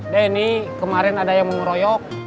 denny kemarin ada yang mau meroyok